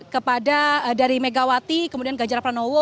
kepada dari megawati kemudian ganjar pranowo